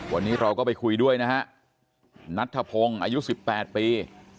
วันนี้เราก็ไปคุยด้วยนะฮะนัทธพงศ์อายุ๑๘ปี